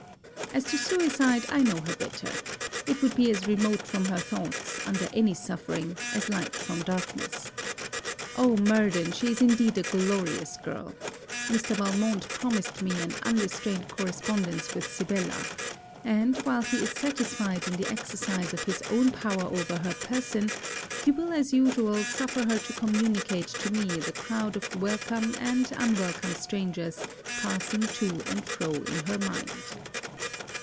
As to suicide, I know her better: it would be as remote from her thoughts, under any suffering, as light from darkness. Oh, Murden, she is indeed a glorious girl! Mr. Valmont promised me an unrestrained correspondence with Sibella; and, while he is satisfied in the exercise of his own power over her person, he will as usual suffer her to communicate to me the crowd of welcome and unwelcome strangers passing to and fro in her mind.